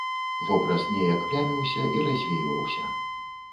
Вобраз неяк пляміўся і развейваўся.